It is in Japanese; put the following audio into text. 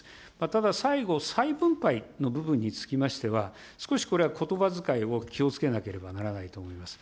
ただ、最後、再分配の部分につきましては、少し、これはことばづかいを気をつけなければならないと思います。